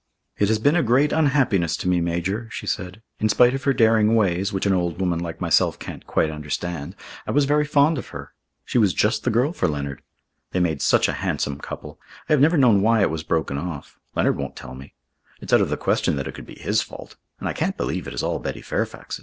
"It has been a great unhappiness to me, Major," she said. "In spite of her daring ways, which an old woman like myself can't quite understand, I was very fond of her. She was just the girl for Leonard. They made such a handsome couple. I have never known why it was broken off. Leonard won't tell me. It's out of the question that it could be his fault, and I can't believe it is all Betty Fairfax's.